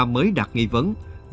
mới đặt nghi vấn